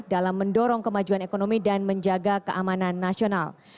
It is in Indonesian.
dalam mendorong kemajuan ekonomi dan menjaga keamanan nasional